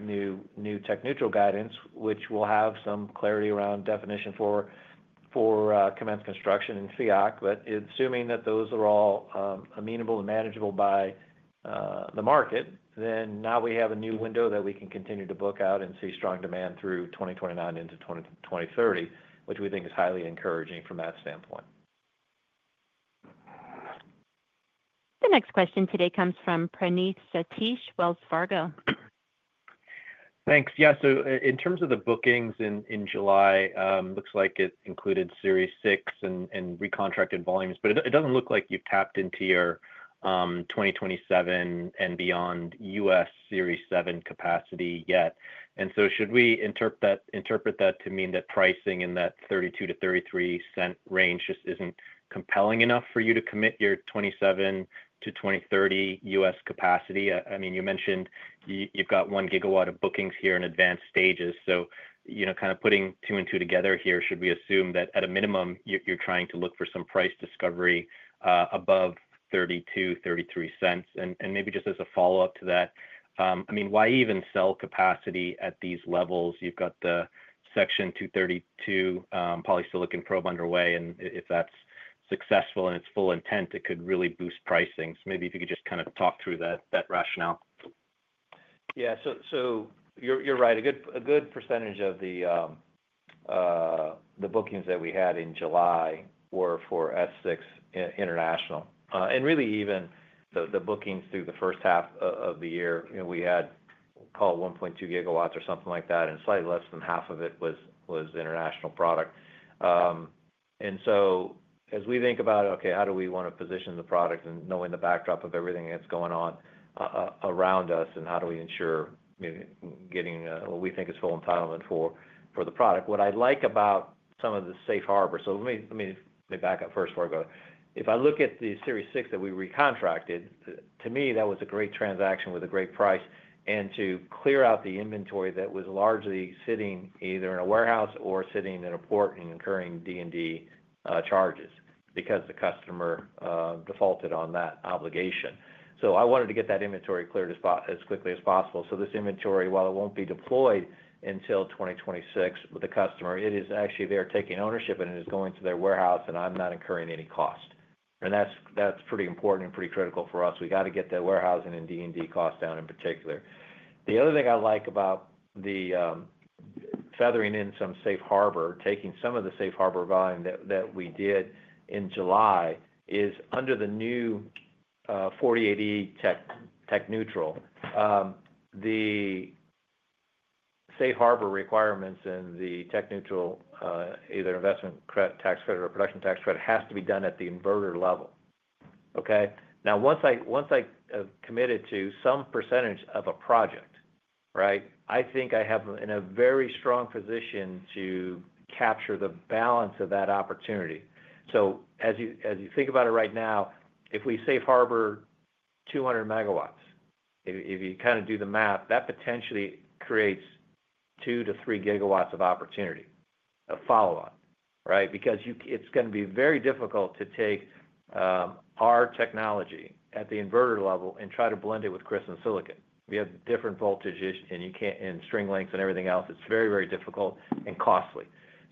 new tech neutral guidance which will have some clarity around definition for commence construction and FEOC. Assuming that those are all amenable and manageable by the market, then now we have a new window that we can continue to book out and see strong demand through 2029 into 2030, which we think is highly encouraging from that standpoint. The next question today comes from Praneeth Satish, Wells Fargo. Thanks. Yeah, in terms of the bookings in July, it looks like it included Series six and recontracted volumes, but it does not look like you've tapped into your 2027 and beyond U.S. Series seven capacity yet. Should we interpret that to mean that pricing in that $0.32-$0.33 range just is not compelling enough for you to commit your 2027 to 2030 U.S. capacity? You mentioned you've got 1 GW of bookings here in advanced stages. Kind of putting two and two together here, should we assume that at a minimum you're trying to look for some price discovery above $0.32, $0.33 and maybe just as a follow up to that? Why even sell capacity at these levels? You've got the Section 232 polysilicon probe underway and if that's successful in its full intent, it could really boost pricing. Maybe if you could just kind of talk through that rationale. Yeah, you're right, a good percentage of the bookings that we had in July were for Essex International. Really, even the bookings through the first half of the year, we had, call it, 1.2 GW or something like that, and slightly less than half of it was international product. As we think about how do we want to position the product, and knowing the backdrop of everything that's going on around us, how do we ensure getting what we think is full entitlement for the product? What I like about some of the safe harbor, let me back up first before I go. If I look at the Series six that we recontracted, to me that was a great transaction with a great price and to clear out the inventory that was largely sitting either in a warehouse or sitting in a port and incurring D&D charges because the customer defaulted on that obligation. I wanted to get that inventory cleared as quickly as possible. This inventory, while it will not be deployed until 2026 with the customer, it is actually there taking ownership and it is going to their warehouse. I am not incurring any cost, and that's pretty important and pretty critical for us. We have to get the warehousing and D&D cost down in particular. The other thing I like about feathering in some safe harbor, taking some of the safe harbor volume that we did in July, is under the new 48E tech neutral, the safe harbor requirements and the tech neutral either investment tax credit or production tax credit has to be done at the inverter level. Now, once I committed to some percentage of a project, right. I think I have in a very strong position to capture the balance of that opportunity. As you think about it right now, if we safe harbor 200 MW, if you kind of do the math that potentially creates 2 GW-3 GW of opportunity of follow up. Right? Because it's going to be very difficult to take our technology at the inverter level and try to blend it with crystalline silicon. We have different voltages and you can't in string lengths and everything else. It's very, very difficult and costly.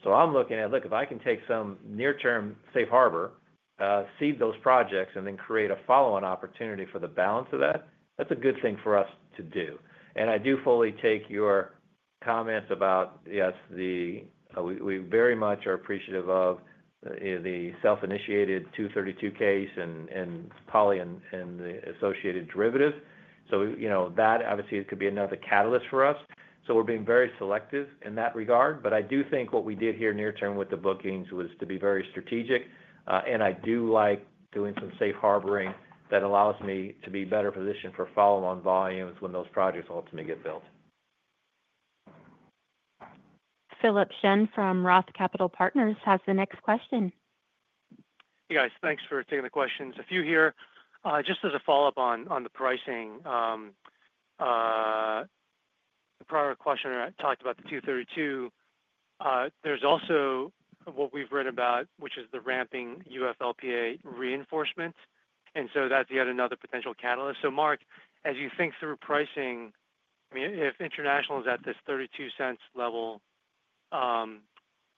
I'm looking at, look, if I can take some near term safe harbor, seed those projects and then create a follow on opportunity for the balance of that. That's a good thing for us to do. I do fully take your comments about, yes, we very much are appreciative of the self-initiated 232 case and poly and the associated derivatives. That obviously could be another catalyst for us. We're being very selective in that regard. I do think what we did here near term with the bookings was to be very strategic and I do like doing some safe harboring that allows me to be better positioned for follow on volumes when those projects ultimately get built. Philip Shen from ROTH Capital Partners has the next question. Hey guys, thanks for taking the questions. A few here. Just as a follow-up on the pricing, prior questioner talked about the 232, there's also what we've read about which is the ramping UFLPA reinforcement. That's yet another potential catalyst. Mark, as you think through pricing, if international is at this $0.32 level,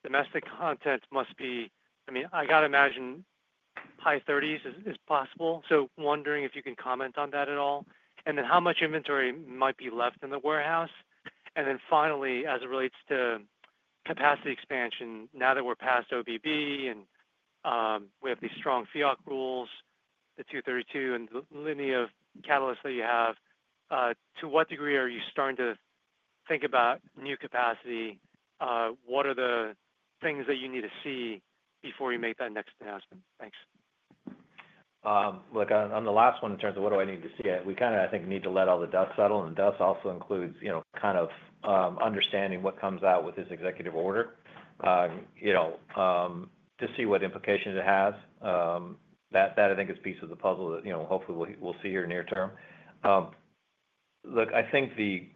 domestic content must be, I mean I gotta imagine high 30s is possible. Wondering if you can comment on that at all. How much inventory might be left in the warehouse? Finally, as it relates to capacity expansion, now that we're past OBB and we have these strong FEOC rules, the 232 and the linear catalysts that you have, to what degree are you starting to think about new capacity? What are the things that you need to see before you make that next announcement? Thanks. On the last one, in terms of what do I need to see, we kind of, I think, need to let all the dust settle. Dust also includes, you know, kind of understanding what comes out with this executive order, to see what implications it has. That, I think, is a piece of the puzzle that hopefully we'll see here near term. Look, the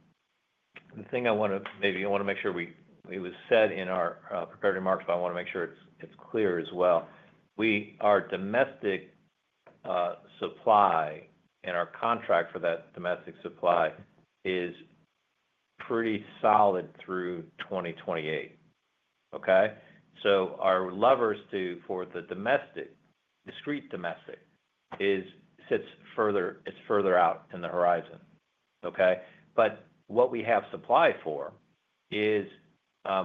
thing I want to, maybe I want to make sure we, it was said in our prepared remarks, but I want to make sure it's clear as well. Our domestic supply and our contract for that domestic supply is pretty solid through 2028. Our levers for the domestic, discrete domestic, sit further, it's further out in the horizon. What we have supply for is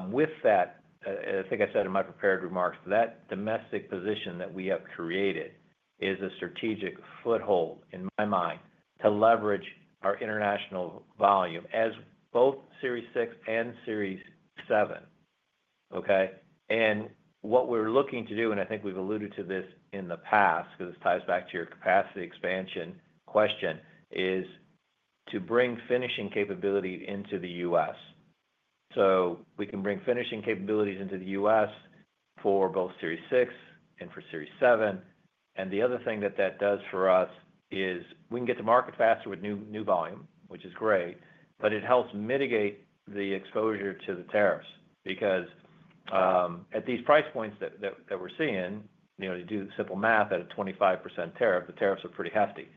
with that, I think I said in my prepared remarks, that domestic position that we have created is a strategic foothold in my mind to leverage our international volume as both Series six and Series seven. What we're looking to do, and I think we've alluded to this in the past because this ties back to your capacity expansion question, is to bring finishing capability into the U.S. We can bring finishing capabilities into the U.S. for both Series six and for Series seven. The other thing that does for us is we can get to market faster with new volume, which is great, but it helps mitigate the exposure to the tariffs because at these price points that we're seeing, you do simple math. At a 25% tariff, the tariffs are pretty hefty.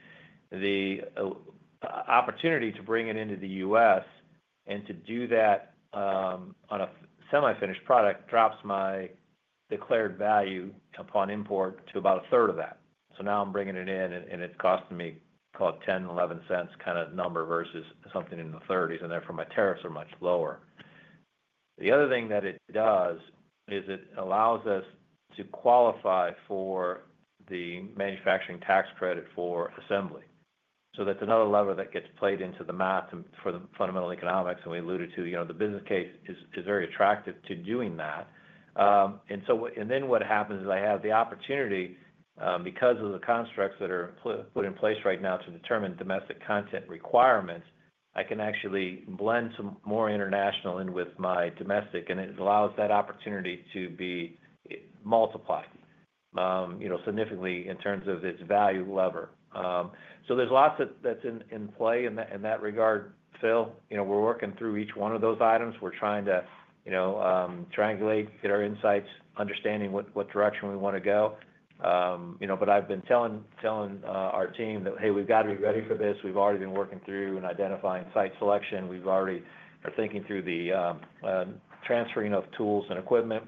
The opportunity to bring it into the U.S. and to do that on a semi-finished product drops my declared value upon import to about a third of that. Now I'm bringing it in and it's costing me $0.10, $0.11 kind of number versus something in the 30s, and therefore my tariffs are much lower. The other thing that it does is it allows us to qualify for the manufacturing tax credit for assembly. That's another lever that gets played into the math for the fundamental economics. We alluded to, you know, the business case is very attractive to doing that. What happens is I have the opportunity because of the constructs that are put in place right now to determine domestic content requirements. I can actually blend some more international in with my domestic and it allows that opportunity to be multiplied significantly in terms of its value lever. There's lots that's in play in that regard, Phil. We're working through each one of those items. We're trying to triangulate, get our insights, understanding what direction we want to go, you know, but I've been telling our team that hey, we've got to be ready for this. We've already been working through and identifying site selection. We already are thinking through the transferring of tools and equipment.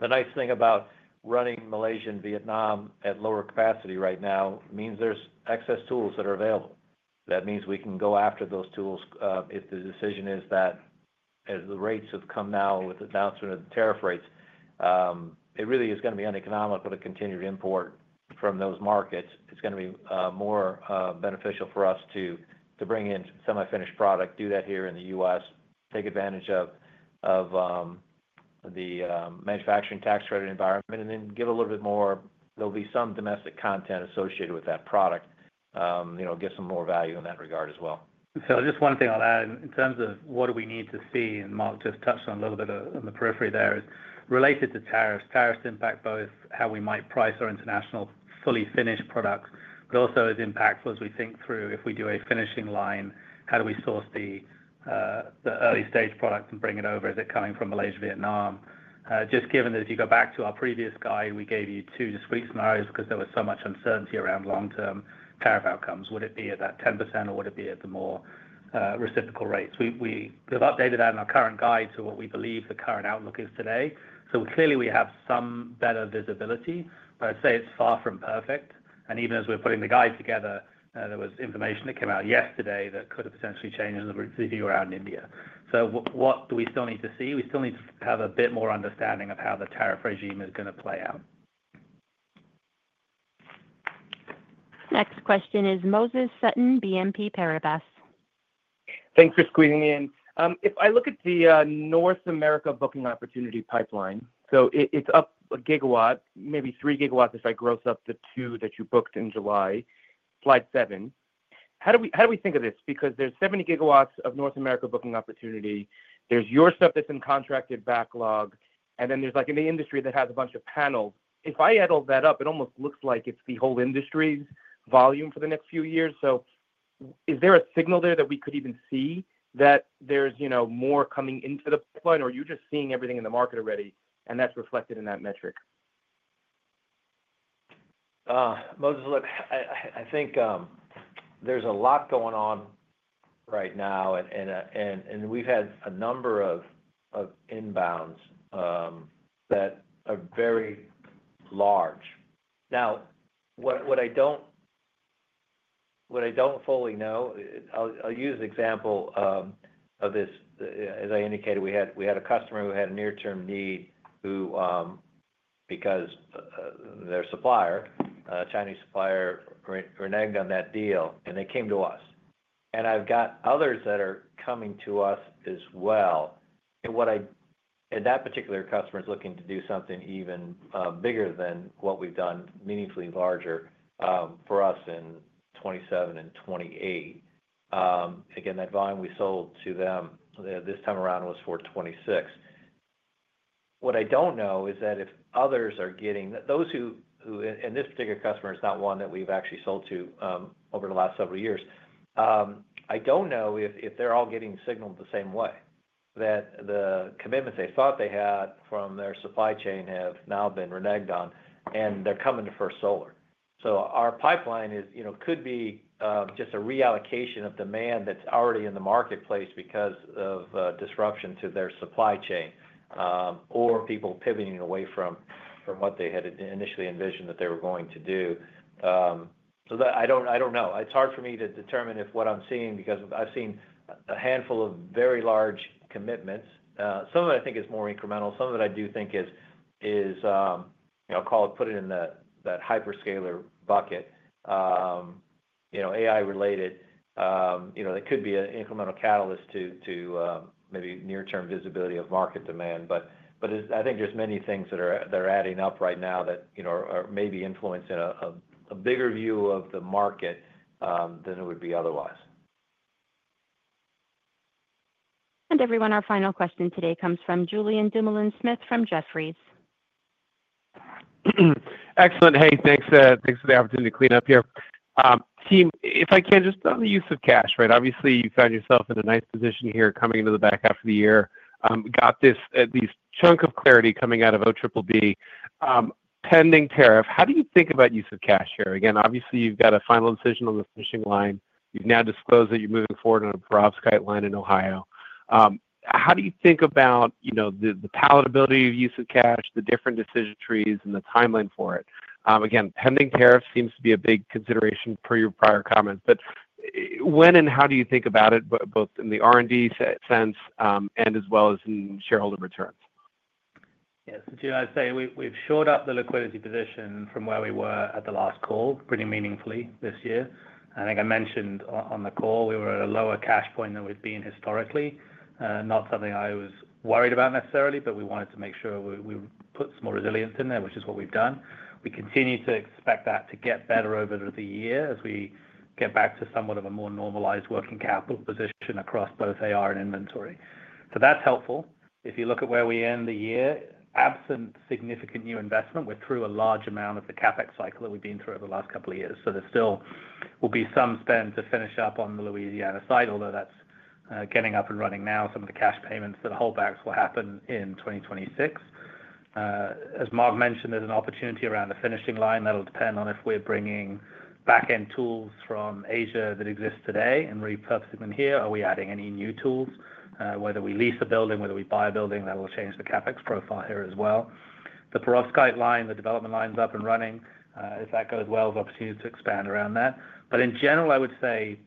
The nice thing about running Malaysia and Vietnam at lower capacity right now means there's excess tools that are available. That means we can go after those tools. If the decision is that as the rates have come now with announcement of tariff rates, it really is going to be uneconomical to continue to import from those markets. It's going to be more beneficial for us to bring in semi-finished product, do that here in the U.S., take advantage of the manufacturing tax credit environment and then give a little bit more. There'll be some domestic content associated with that product. Get some more value in that regard as well. Phil, just one thing I'll add in terms of what do we need to see, and Mark just touched on a little bit on the periphery, there is related to tariffs. Tariffs impact both how we might price our international fully finished products, but also is impactful as we think through. If we do a finishing line, how do we source the early stage product and bring it over? Is it coming from Malaysia, Vietnam? Just given that if you go back to our previous guide, we gave you two discrete scenarios because there was so much uncertainty around like long term tariff outcomes. Would it be at that 10% or would it be at the more reciprocal rates? We have updated that in our current guide to what we believe the current outlook is today. Clearly, we have some better visibility. I'd say it's far from perfect, and even as we're putting the guide together, there was information that came out yesterday that could have potentially changed the view around India. What do we still need to see? We still need to have a bit more understanding of how the tariff regime is going to play out. Next question is Moses Sutton, BNP Paribas. Thanks for squeezing in. If I look at the North America booking opportunity pipeline, it's up 1 GW, maybe 3 GW if I gross up the two that you booked in July. slide seven. How do we think of this? There's 70 GW of North America booking opportunity, there's your stuff that's in contracted backlog, and then there's in the industry that has a bunch of panels. If I add all that up, it almost looks like it's the whole industry's volume for the next few years. Is there a signal there that we could even see that there's more coming into the pipeline, or are you just seeing everything in the market already and that's reflected in that metric? Moses, I think there's a lot going on right now and we've had a number of inbounds that are very large. What I don't fully know, I'll use an example of this. As I indicated, we had a customer who had a near term need because their Chinese supplier reneged on that deal and they came to us. I've got others that are coming to us as well. That particular customer is looking to do something even bigger than what we've done, meaningfully larger for us in 2027 and 2028. That volume we sold to them this time around was 426. What I don't know is if others are getting those who, and this particular customer is not one that we've actually sold to over the last several years. I don't know if they're all getting signaled the same way, that the commitments they thought they had from their supply chain have now been reneged on and they're coming to First Solar. Our pipeline could be just a reallocation of demand that's already in the marketplace because of disruption to their supply chain or people pivoting away from what they had initially envisioned that they were going to do. I don't know. It's hard for me to determine if what I'm seeing, because I've seen a handful of very large commitments. Some of it I think is more incremental. Some of it I do think is, I'll call it, put it in that hyperscaler bucket. AI related, it could be an incremental catalyst to maybe near term visibility of market demand. I think there are many things that are adding up right now that may be influencing a bigger view of the market than it would be otherwise. Everyone, our final question today comes from Julien Dumoulin-Smith from Jefferies. Excellent. Hey, thanks for the opportunity to clean up here, team. If I can just on the use of cash, right? Obviously, you found yourself in a nice position here coming into the back half of the year. Got this at least chunk of clarity coming out of O triple B pending tariff. How do you think about use of cash here? Again, obviously, you've got a final decision on the finishing line. You've now disclosed that you're moving forward on a perovskite development line in Ohio. How do you think about, you know, the palatability of use of cash, the different decision trees, and the timeline for it? Again, pending tariffs seems to be a big consideration per your prior comments. When and how do you think about it, both in the R&D sense and as well as in shareholder returns? Yes, we've shored up the liquidity position from where we were at the last call pretty meaningfully this year. I think I mentioned on the call we were at a lower cash point than we'd been historically. Not something I was worried about necessarily, but we wanted to make sure we put some more resilience in there, which is what we've done. We continue to expect that to get better over the year as we get back to somewhat of a more normalized working capital position across both AR and inventory. That's helpful if you look at it. Where we end the year. Absent significant new investment, we're through a large amount of the CapEx cycle that we've been through over the last couple of years. There still will be some spend to finish up on the Louisiana side, although that's getting up and running now. Some of the cash payments that holdbacks will happen in 2026. As Mark mentioned, there's an opportunity around the finishing line that'll depend on if we're bringing back end tools from Asia that exist today and repurposing them here. Are we adding any new tools? Whether we lease a building, whether we buy a building, that will change the CapEx profile here as well. The perovskite development line is up and running. If that goes well, there is opportunity to expand around that. In general, I would say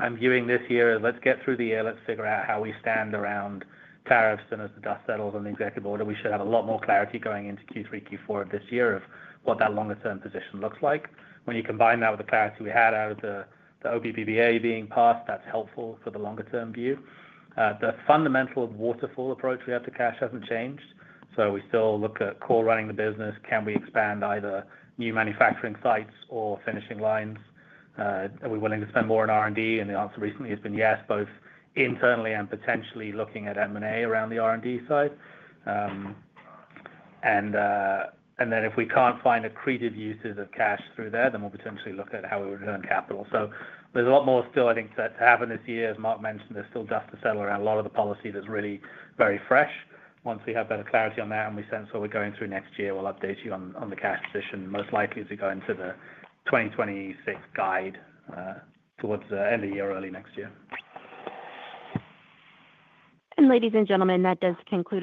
I'm viewing this year as let's get through the year, let's figure out how we stand around tariffs, and as the dust settles on the executive order, we should have a lot more clarity going into Q3, Q4 of this year of what that longer term position looks like. When you combine that with the clarity we had out of the OBBBA being passed, that's helpful for the longer term view. The fundamental waterfall approach we have to cash hasn't changed, so we still look at core running the business. Can we expand either new manufacturing sites or finishing lines? Are we willing to spend more on R&D? The answer recently has been yes, both internally and potentially looking at M&A around the R&D side. If we can't find accretive uses of cash through there, then we'll potentially look at how we return capital. There's a lot more still, I think, to happen this year. As Mark mentioned, there's still just to settle around a lot of the policy that's really very fresh. Once we have better clarity on that and we sense what we're going through next year, we'll update you on the cash position, most likely to go into the 2026 guide towards the end of the year or early next year. Ladies and gentlemen, that does conclude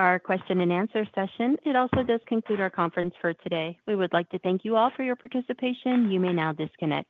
our question and answer session. It also does conclude our conference for today. We would like to thank you all for your participation. You may now disconnect.